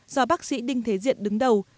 do bác sĩ đinh thế diện đứng đầu